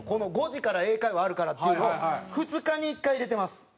５時から英会話あるからっていうのを２日に１回入れてます。